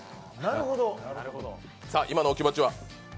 今のお気持ちは？